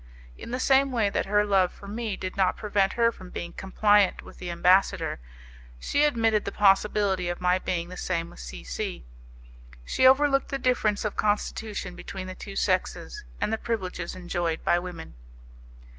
In the same way that her love for me did not prevent her from being compliant with the ambassador, she admitted the possibility of my being the same with C C . She overlooked the difference of constitution between the two sexes, and the privileges enjoyed by women.